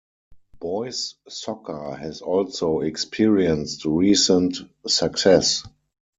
Boys' soccer has also experienced recent success.